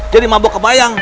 jadi mabok kebayang